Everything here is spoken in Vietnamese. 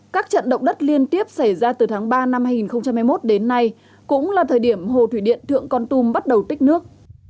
các trận động đất liên tiếp xảy ra từ tháng ba năm hai nghìn hai mươi một đến nay cũng là thời điểm hồ thủy điện thượng con tum bắt đầu tích nước